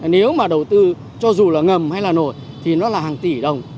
nếu mà đầu tư cho dù là ngầm hay là nổi thì nó là hàng tỷ đồng